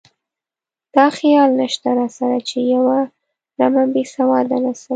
دا خیال نشته راسره چې یوه رمه بې سواده نسل.